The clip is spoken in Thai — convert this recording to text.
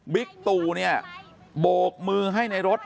ตู่เนี่ยโบกมือให้ในรถ